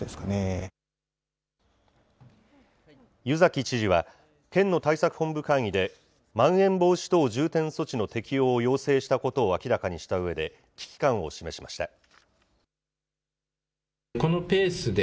湯崎知事は、県の対策本部会議で、まん延防止等重点措置の適用を要請したことを明らかにしたうえで、危機感を示しました。